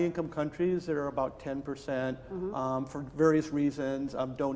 jadi ketika anda berpikir tentang